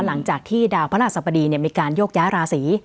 หลังจากที่ดาวพระราชสบดีมีการโยกย้ายราศี